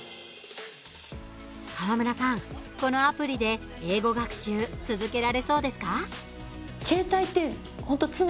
川村さん、このアプリで英語学習、続けられそうですか？